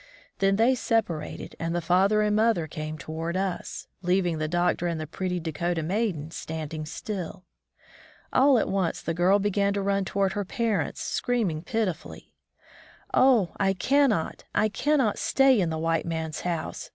Then they separated and the father and mother came toward us, leaving the Doctor and the pretty Dakota maiden standing still. All at once the girl began to rim toward her parents, screaming pitifully. "Oh, I cannot, I cannot stay in the white man's house!